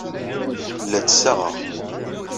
La d-ssaɣeɣ.